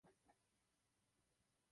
Nachází se na západním okraji města.